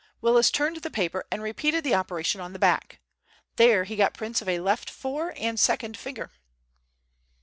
Willis turned the paper and repeated the operation on the back. There he got prints of a left fore and second finger.